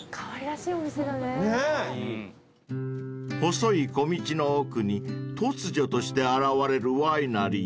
［細い小道の奥に突如として現れるワイナリー］